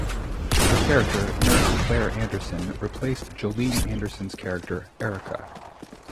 Her character, nurse Claire Anderson, replaced Jolene Anderson's character Erika.